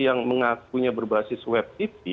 yang mengakunya berbasis web tv